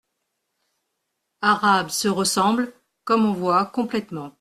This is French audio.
arabe se ressemblent, comme on voit, complètement.